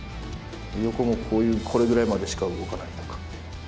横もこういうこれぐらいまでしか動かないとか。